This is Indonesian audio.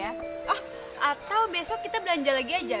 atau besok kita belanja lagi aja